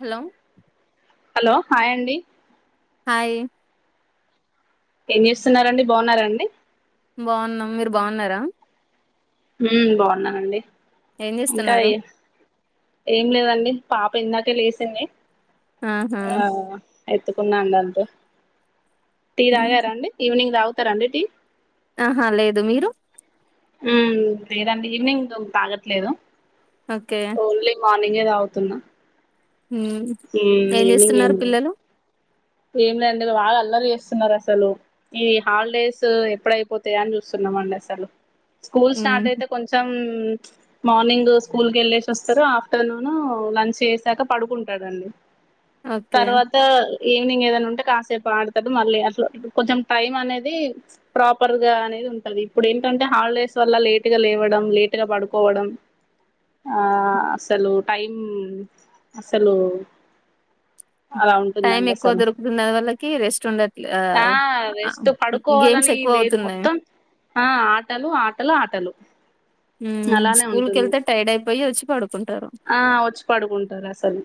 Hello hello hi అండి hi ఏం చేస్తున్నారండి బాగున్నారండి బాగున్నాం మీరు బాగున్నారా హ్మ్ బాగున్నానండి ఏం ఇంకా చేస్తున్నారు ఏం లేదండి పాప ఇందాకే లేసింది ఆహా ఆ ఎత్తుకున్నానండి అంతే టీ ఉమ్. తగారండి ఈవినింగ్ తాగుతారండి టీ ఆహా లేదు మీరు హ్మ్ లేదండి ఈవినింగ్ తాగట్లేదు ఓకే ఓన్లీ మార్నింగే తాగుతున్నా హ్మ్ ఉమ్ ఏం ఈవినింగ్ చేస్తున్నారు పిల్లలు ఏం లేదు అండి బాగా అల్లరి చేస్తున్నారు అసలు ఈ హాలిడేస్ ఎప్పుడైపోతాయా అని చూస్తున్నాం అండి అసలు స్కూల్ ఉమ్. స్టార్ట్ అయితే కొంచెం సమ్ మార్నింగ్ స్కూల్ కి వెళ్ళేసి వస్తారు ఆఫ్టర్నూన్ లంచ్ చేసాక పడుకుంటాడండి ఓకే తర్వాత ఈవినింగ్ ఏదైనా ఉంటే కాసేపు ఆడతాడు మళ్ళీ అట్లా కొంచెం టైం అనేది ప్రాపర్ గా అనేది ఉంటది ఇప్పుడు ఏంటంటే హాలిడేస్ వల్ల లేటు గా లేవడం లేటు గా పడుకోవడం ఆ అసలు టైమ్ అసలు అరౌండ్ టైం ఎందండి ఎక్కువ అసలు దొరుకుతున్నది వాళ్ళకి రెస్ట్ ఉండట్లే ఆ ఆ, జస్ట్ గేమ్స్ పడుకోవాలని ఎక్కువ లేదు అవుతున్నాయి మొత్తం ఆ ఆటలు ఆటలు ఆటలు ఉ అలానే స్కూల్ కి ఉంటుంది వెళ్తే టైర్డ్ అయిపోయి వచ్చి పడుకుంటారు ఆ వచ్చి పడుకుంటారు అసలు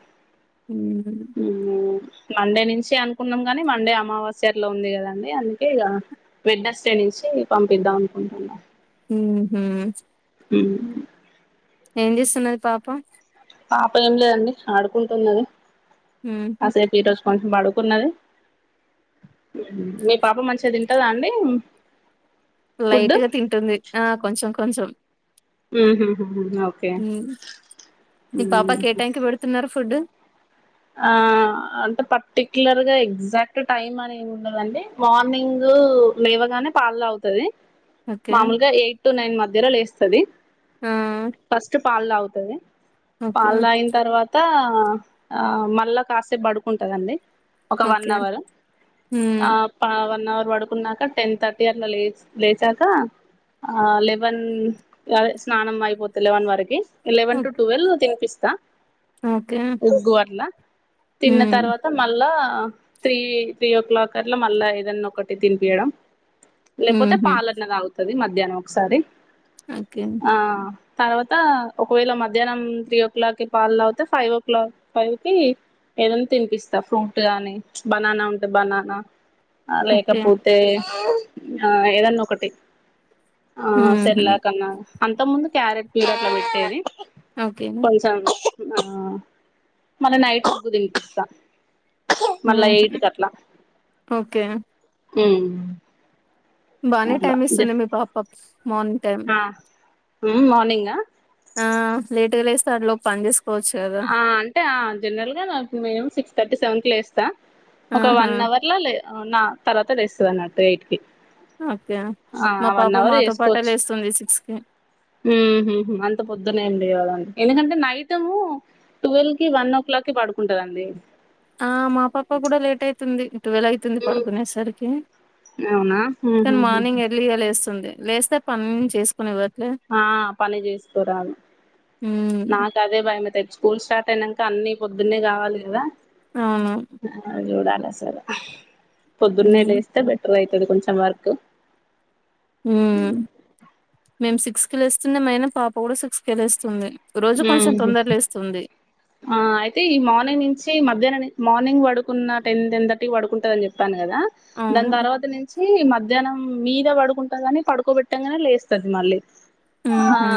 ఉమ్ మ్మ్ మండే నుంచి అనుకున్నాం కానీ మండే అమావాస్యలా ఉంది కదండి అందుకే ఇక వెడ్స్ డె నుంచి పంపిద్దాం అనుకుంటున్నా ఉ హు ఉ ఏం చేస్తున్నది పాప పాప ఏం లేదండి ఆడుకుంటున్నది ఉమ్హు. కాసేపు ఈ రోజు కొంచెం పడుకున్నది మీ పాప మంచిగా తింటదా అండి ఫుడ్ లైట్ గా తింటుంది ఆ కొంచెం కొంచెం ఉహు ఉమ్ ఒకె ఉమ్ మి పాపకేటామ్కి పెడుతున్నరు ఫుడ్ ఆ అంటే పట్టిక్లర్గా ఎగ్జాక్ట్ టైమ్ అనే ఉండదండి మార్నింగ్ లేవగానే పాల్తాగుతది ఓకే మామూలుగా ఎయిట్టు నైన్ మధ్యలో లేస్తది ఆ ఫస్ట్ పాల్తగుతది ఓకే పాలు తాగిన తర్వాత ఆ మళ్ళా కాసేపు పడుకుంటదండి ఒక వన్ ఓకే అవర్ హ్మ్. ఆ వన్ అవర్ పడుకున్నాక టెన్ థర్టీ అట్ల లే లేచాక ఆ లెవెన్ అదే స్నానం అయిపోతది లెవెన్ వరకి ఎలెవెన్ టు ట్వుల్వ్ తినిపిస్తా ఒకే న్న తిన్నతర్వ మళ్ళా త్రీ త్రీఓ క్లాక్ అట్ల మళ్ళా ఏదన్నా ఒకటి తినిపియడం లేకపోతే హుహు. పాలన్న తగుతుంది మధ్యాహ్నం ఒసారి ఒకే ఆ తర్వాత ఒకవేళ మధ్యాహ్నం త్రీఓ క్లాక్కిి పాల్తాగితే ఫైవ్ ఓ క్లాక్ ఫైవ్కి ఏదనా తినిపిస్తా ఫ్రూట్ గాని బనానా ఉంటే బనానా ఆ ఓకే. లేకపోతే ఆ ఏదన్నోకటి ఆ హుహు. సర్లేకన్నా అంత ముందు క్యారెట్ ప్యూర అట్లా పెట్టేది ఒకే కొన్నిసార్లు ఆ మల్ల నైట్ వరకు పంపిస్తా మల్ల ఎయిట్ హుహు. కట్ల ఓకే. ఉమ్ బానే టైమీస్తుంది మీ పాప మార్నింగ్ టైమ్ ఆ ఉమ్ మార్నింగ్గా ఆ లేటుగలేస్తా అట్లో పని చేస్ ఆ అంటే ఆ జనరల్గా మినిమం సిక్స్ థర్టీ సెవెన్ కి లేస్తా ఒక ఆహా! వన్ అవర్ల లే ఆ నా తర్వాత లేస్తాదన్నట్టు ఎయిట్ కి ఒకే ఆ మా పాప వన్ అవర్ మాతో పాటే లేస్తుంది సిక్స్కి ఉహు అంత పొద్దున ఏం లేవదండి ఎందుకంటే నైటము టువెల్కి వన్ ఓ క్లాక్కి పాడుకుంటదండి ఆ మా పాప కూడా లేట్ అయితుంది టువెలయితుంది పడుకునేసరికి అవునా కానీ ఉహుహు మార్నింగ్ ఎర్లీగా లేస్తుంది లేస్తే పని చేసుకుని ఇవ్వట్లే ఆ పని చేసుకోరదు హ్మ్. నాకు అదే భయ మీ త స్కూల్ స్టార్ట్ అయినాక అన్ని పొద్న్నే కావాలి కదా అవును ఆ చూడాలసలు పొద్దున్నే హ్మ్. లేస్తే బెటర్ అవుతుంది కొంచెం వర్క్ ఉమ్ మేము సిక్స్కి వెళ్ళస్తుంది మానా పాప కూడా సిక్స్కి వెళ్ళేస్తుంది రోజు కొంచెం ఉహు తొందరలేస్తుంది ఆ అయితే ఈ మార్నింగ్ నుంచి మధ్యాహ్న మార్నింగ్ పడుకున్న టెన్ టెన్ థర్టీ పడుకుంటంద అని చెప్ప్పాను కదా దన్ అవును. తర్వాత నిం చ్చి మధ్యాహ్నం మీద పడుకుంటని పడుకోబెట్టంగానే లేస్తది మళ్ళీ ఆ హుహు.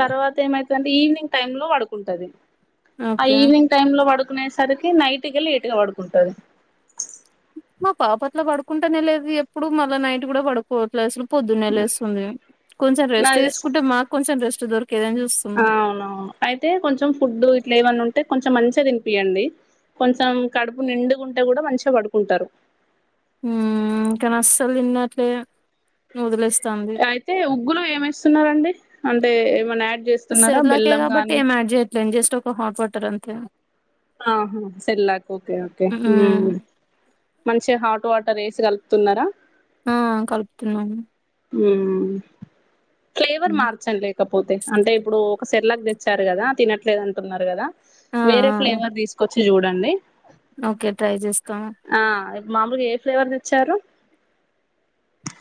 తర్వాత ఏమైతుందంటే ఈవినింగ్ టైమ్లో పడుకుంటది ఆ ఓకే. ఈవినింగ్ టైమ్లో పడుకునేసరికి నైట్ కెళ్లి లేటుగా పడుకుంటది మా పాప అట్ల పడుకుంటానే లేదు ఎప్పుడు మళ్ళా నైట్ కూడా పడుకోవట్లేదు అసలు పొద్దున్నెల వేసుంది కొంచెం రెస్ట్ నాకు తెలిసి తీసుకుంటే మాకు కొంచెం రెస్ట్ దొరికేదని చ అవునవును అయితే కొంచెం ఫుడ్డు ఇట్లా ఏవన్న ఉంటే కొంచెం మంచిగా తినిపియండి కొంచెం కడుపు నిండుగా ఉంటే కూడా మంచిగా పడుకుంటారు కానీ అస్సలు తిన్నట్లే దండి వదిలేస్తాం అయితే ఉగ్గులో ఏమేస్తున్నారండి అంటే ఏమన్నా యాడ్ చే సెర్లాకే కాబట్టి ఏం యాడ్ చేయ్యట్లేండి జస్ట్ ఒక హాట్ వాటర్ అంతే ఆహా సర్లేక్ ఓకే ఓకే హ్మ్. మంచిగా హాట్ వాటర్ వేసి కలుపుతున్నారా ఆ కలుపు తున్నాను ఉమ్ ఫ్లేవర్ హ్మ్. మార్చండి లేకపోతే అంటే ఇప్పుడు ఒక సర్లేక్ తెచ్చారు కదా తినట్లేదుంటున్నారు కదా ఆ! వేరే ఆ! ఫ్లేవర్ తీసుకొచ్చి చూడండి ఓకే ట్రై చేస్తాను ఆ మామూలుగా ఏ ఫ్లేవర్ తెచ్చారు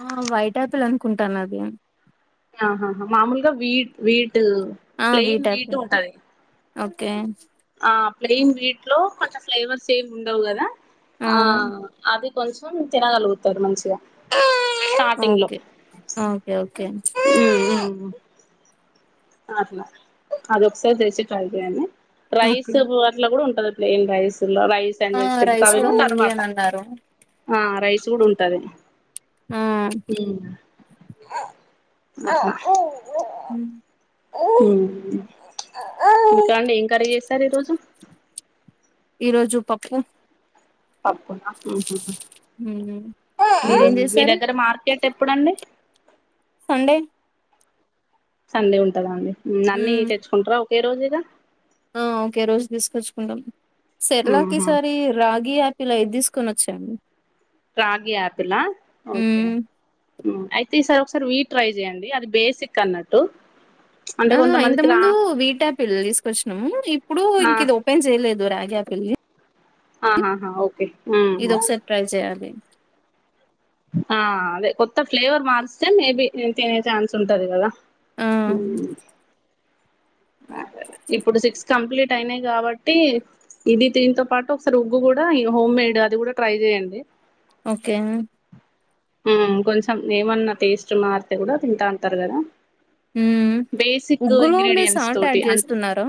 ఆ వైట్ ఆపిల్ అనుకుంటాను అది ఆహా మామూలుగా వీట్ వీటు ఆ ప్లెయిన్ బీటెక్ విటు ఉంటది ఓకే ఆ ప్లెయిన్ వీట్ లో కొంత ఫ్లేవర్స్ ఏం ఉండవు కదా ఆ అది కొంచెం తినగలుగుతారు మంచిగా స్టార్టింగ్ ఓకే ఓకే ఓకే ఉ అలా అది ఒక్క సారీ తెచ్చి ట్రై చేయండి రైస్ ఓకే కూడా ఉంటది ప్లెయిన్ రైస్ లో రైస్ అండ్ ఆ వెజిటబుల్స్ రైస్ అవి కూడా ఉంది తర్వాత అని అన్నారు ఆ రైస్ కూడా ఉంటది ఆ [unintelligible] ఉ ఇందుకండి ఏం కర్రీ చేసారు ఈ రోజు ఈ రోజు పప్పు పప్పు నా మ్మ్. మీరేం మీ చేశారు దగ్గర మార్కెట్ ఎప్పుడుండి సండే సండే ఉంటదండి అన్నీ మ్మ్. తెచ్చుకుంటారా ఒకే రోజు ఇగ ఆ ఓకే రోజు తీసుకొచ్చుకుంటాం సర్లేక్ ఈ ఆహా సారి రాగియాపిల్ ఇలా ఇది తీసుకొని వచ్చాను రాగి యాపిల్ ఆ ఓకే అయితే ఈసారి ఒకసారి వీట్ ట్రై చెయండి అది బేసిక్ అన్నట్టు అంటే ఆ ఇంత కొంతమందికి రా ముందు వీట్యాపిల్ తీసుకొచ్చినము ఇప్పుడు ఆ ఇంక ఇది ఓపెన్ చేయలేదు రాగి యాపిల్ని ఆ హ హా ఓకే ఇది ఉహు ఒకసారి ట్రై చేయ్యాలి ఆ అదే కొత్త ఫ్లేవర్ మార్స్తే మేబి తినే ఛాన్స్ ఉంటది కదా ఆ ఇప్పుడు సిక్స్ కంప్లీట్ అయినాయి కాబట్టి ఇది దీనితో పాటు ఒకసారి ఉగ్గు కూడా హోమ్ మేయిడ్ అది కూడా ట్రై చేయ్యడి ఓకే కొంచెం ఏమన్నా టేస్ట్ మారితే కూడా తింటా అంటారు కదా మ్మ్. బేసిక్ ఉగ్గులో మీరు ఇంగ్రీడియంట్స్ సాల్ట్ తోటి యాడ్ అంటే చేస్తున్నారా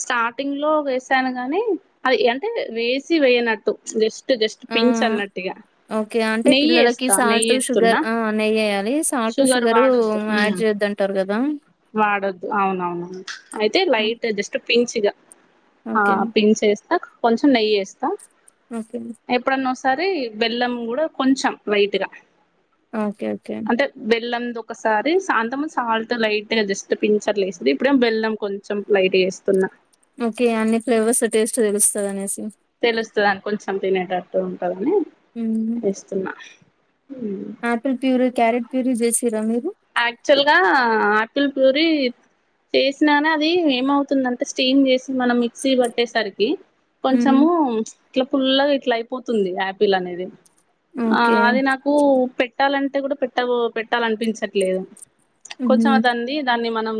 స్టార్టింగ్ లో వేసాను గాని అది అంటే వేసి వేయనట్టు జస్ట్ జస్ట్ ఆ! పించ్ అన్నట్టుగా ఓకే అంటే నెయ్యి పిల్లలకి వేస్తా నెయ్యి సాల్ట్ షుగర్ వేస్తున్నా ఆ నేయ్యేయాలి సాల్ట్ షుగర్ షుగరు వాడొద్దు యాడ్ చేయొద్దం టారు గదా వాడొద్దు అవునవునవును అయితే హ్మ్. లైట్ జస్ట్ పించిగా ఓకే. యేస్తా కొంచెం నెయ్యి యేస్తా ఓకే ఎప్పుడన్నోసారి బెల్లం కూడా కొంచెం లైట్గా ఓకే ఓకే అంటే బెల్లం ఒకసారి సాంతమ సాల్ట్ లైట్ గా జస్ట్ పించర్ లేస్తుంది ఇప్పుడే బెల్లం కొంచెం లైట్ గా వేస్తున్నా ఓకే అన్ని ఫ్లేవర్స్ టేస్ట్ తెలుస్తది అనేసి తెలుస్తుందని కొంచెం తినేటట్టు ఉంటుందని హ్మ్. ఏస్తున్నా ఆపిల్ ప్యూరీ క్యారెట్ ప్యూరీ చేసరా మీరు యాక్చువల్గా ఆపిల్ ప్యూరి చేసినాను అది ఏమవుతుందంటే స్టీమ్ చేసి మనం మిక్సీ పట్టేసరికి హ్మ్. కొంచము ఇట్లా పుల్లగా ఇట్లా అయిపోతుంది యాపిల్ అనేది ఆ ఓకే. అది నాకు కు పెట్టాలంటే కూడా పెట్ట పెట్టాలనిపించట్లేదు హ్మ్. కొంచెం హ్మ్. అదండి దాన్ని మనం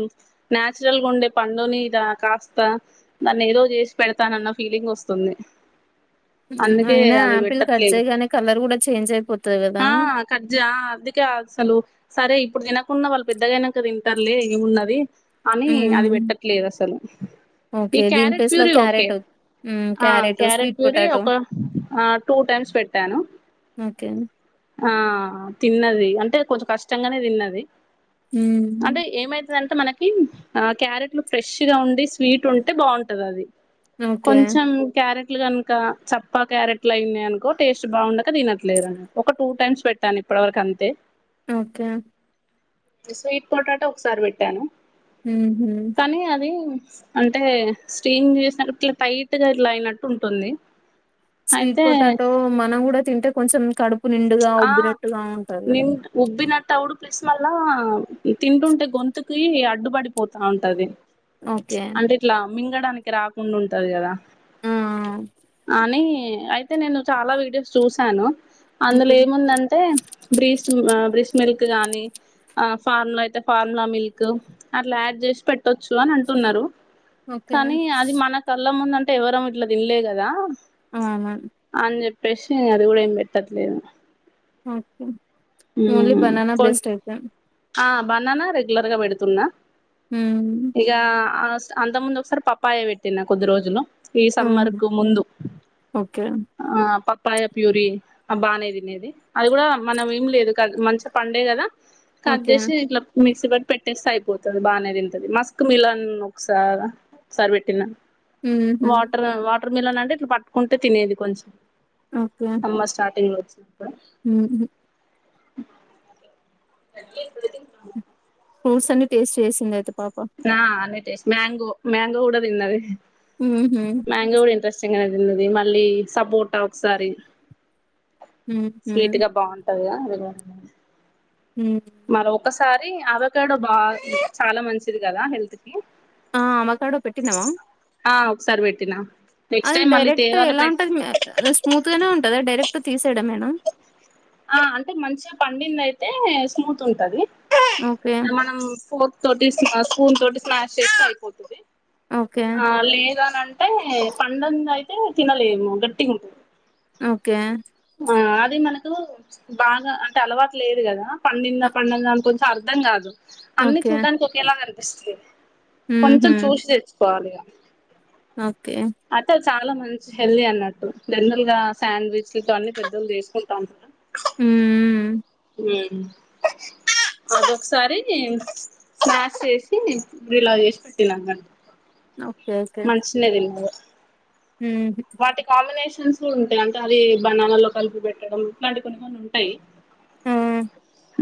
నేచురల్గా ఉండే పండు మీ ద కాస్త దాన్ని ఏదో చేసి పెడతానన్న ఫీలింగ్ వస్తుంది అందుకే అయినా అది ఆపిల్ కట్ పెట్టట్లేదు చేయగానే కలర్ కూడా చేంజ్ అయిపోతుది కదా కట్జా అందుకే అసలు సరే ఇప్పుడు తినకున్న వాళ్ళు పెద్దగాయినాఠ తింటారులే ఏమున్నది అని అది హ్మ్. పెట్టట్లేదు అసలు ఈ ఓకే. దీని క్యారెట్ ప్లేస్‌లో ప్యూరీ ఓకే క్యారెట్ హ్మ్. ఆ carrot, carrot sweet puree potato ఒక టూ టైమ్స్ పెట్టాను ఓకే ఆ తిన్నది అంటే కొంచెం కష్టంగానే తిన్నది హ్మ్ అంటే ఏమైతుందంటే మనకి ఆ క్యారెట్లు ఫ్రెష్ గా ఉండి స్వీట్ ఉంటే బాగుంటది అది ఓకే. కొంచెం క్యారెట్లు కనుక చప్పా క్యారెట్లు అయినాయి అనుకో టేస్ట్ బాగుండక తినట్లేదు ఒక టూ టైమ్స్ పెట్ తాను ఇప్పటివరకు అంతే ఓకే స్వీట్ పొటాటా ఒకసారి పెట్టాను ఊహూ కానీ అది అంటే స్టీమ్ చేసిన ఇట్లా టైట్ గా ఇలా అయినట్టు ఉంటుంది స్వీట్ అయితే పొటాటో మనం కూడా తింటే కొంచెం కడుపు నిండుగా ఆ ఉబ్బినట్టుగా ఉంటారు నిన్ ఉబ్బినట్టు అవుడు ప్లిస్ మళ్ళా తింటుంటే గొంతుకి అడ్డుపడిపోతా ఉంటది ఓకే అంటే ఇట్లా మింగడానికి రాకుండా ఉంటది కదా ఆ అని అయి అయితే నేను చాలా వీడియోస్ చూసాను అందులో ఓకే ఏదంటే బ్రీస్ బ్రీష్ మిల్క్ గాని ఆ ఫార్ములా అయితే ఫార్ములా మిల్క్ అట్లా యాడ్ చేసి పెట్టొచ్చు అంటున్నారు ఓకే కానీ అది మన కళ్ళ ముందంటే ఎవరం ఇట్ల తినలే కదా అవునా అని చెప్పేసి అది కూడా ఏం పెట్టలేదు ఓకే ఓన్లీ బననా బెస్ట్ తెల్సా అ బనానా రెగ్యులర్గా పెడుతున్నా హ్మ్ ఇక ఆ అంత ముందు ఒకసారి పప్పాయ పెట్టిన కొద్ది రోజులు ఈ సమ్మర్ హ్మ్. కు ముందు ఓకే ఆ పప్పాయ ప్యూరి అ బానే తినేది అది కూడా మనం తిన్లేదు కట్ మంచిగా పండే కదా కట్ ఓకే చేసి నేనిట్లా మిక్సీ పట్టి పెట్టేస్తే అయిపోతది బానే తింటది మస్క్ మిలాన్ ఒకసారి ఒకసారి పెట్టినా ఊహూ వాటర్ వాటర్ మిలన్ అంటే ఇట్ల పట్టుకుంటే తినేది కొంచెం సమ్మర్ స్టార్టింగ్ లో వచ్చిదా మ్ అ [inaudible] ఫ్రూట్స్ అన్ని టేస్ట్ చేసింది అయితే పాప ఆ అన్నీ టేస్ట్ చేసింది మ్యాంగో మ్యాంగో కూడా తిన్నది మ్ హూ మ్యాంగో కూడా ఇంట్రెస్టింగానే తిన్నది మళ్ళీ సపోట ఒకసారి ఊహూ స్వీట్ గా బాగుంటది అది కూడా మ్ మరి ఒకసారి అవకాడో బాగ చాలా మంచిది కదా హెల్త్ కి ఆ ఆవకడో పెట్టినవా ఆ ఒకసారి పెట్టినా నెక్స్ట్ టైమ్ మళ్ళీ తేవాలో పెట్ అదే స్మూత్ గానే ఉంటదా డైరెక్ట్ తీసేయడమెనా ఆ అంటే మంచిగ పండింది అయితే స్మూత్ ఉంటది ఓకే మనం ఫోర్ట్ స్పూన్ తోటి స్మాష్ చేస్తే అయిపోతుంది ఓకే ఆ లేదాని అంటే పండంది అయితే తినలేము గట్టిగా ఉంటుంది ఓకే ఆ అది మనకు బాగా అంటే అలవాటు లేదు కదా పండిందా అ! పండింద అనుకో అర్థం కాదు అన్ని ఓకే చూడటానికి ఒకేలా కనిపిస్తుంది హుహు. కొంచెం చూసి తెచ్చ కోవాలిగ ఓకే అంటే చాలా మంచి హెల్దీ అన్నట్టు జనరల్ గా శాండ్విచ్ అన్ని పెద్దలు తీసుకుంటా ఉంటారు మ్ అదొకసారి స్నాక్స్ చేసి ఇలా చేసిపెట్టిందనమాట ఓకే ఓకే అట్లే తింది మ్ హూ వాటి కాంబినేషన్స్ ఉంటాయి అంటే అది బనానా లో కలిపి పెట్టడం ఇట్లాంటి కొన్ని కొన్ని ఉంటాయి మ్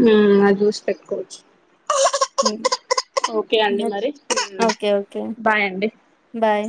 మ్ అది చూసి పెట్కోవచ్చు మ్ ఓకే అండి మరి ఓకే. బాయ్ అండి బాయ్